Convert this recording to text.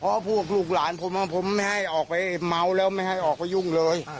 เพราะพวกลูกหลานผมผมไม่ให้ออกไปเมาแล้วไม่ให้ออกไปยุ่งเลย